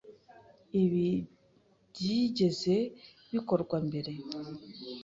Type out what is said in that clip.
Ibi byigeze bikorwa mbere?